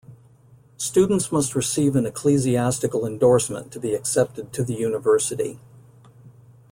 Students must receive an ecclesiastical endorsement to be accepted to the university.